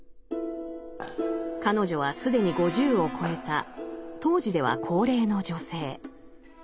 彼女は既に５０を超えた当時では高齢の女性。